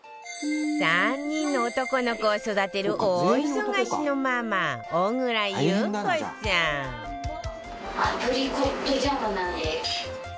３人の男の子を育てる大忙しのママ小倉優子さん